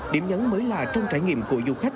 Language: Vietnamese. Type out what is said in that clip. điểm nhấn mới là trong trải nghiệm của du khách